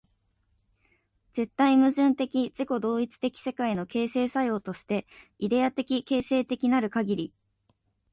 絶対矛盾的自己同一的世界の形成作用として、イデヤ的形成的なるかぎり、